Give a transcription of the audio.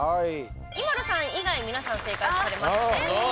ＩＭＡＬＵさん以外皆さん正解されましたね。